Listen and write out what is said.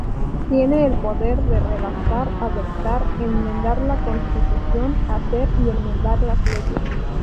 Tiene el poder de redactar, adoptar, enmendar la constitución, hacer y enmendar las leyes.